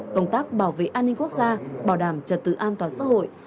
công tác bảo vệ an ninh quốc gia bảo đảm trật tự an toàn xã hội